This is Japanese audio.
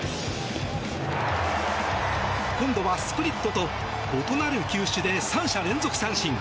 今度はスプリットと異なる球種で３者連続三振。